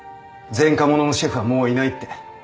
前科者のシェフはもういないって。